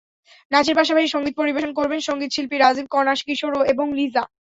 নাচের পাশাপাশি সংগীত পরিবেশন করবেন সংগীত শিল্পী রাজিব, কণা, কিশোর এবং লিজা।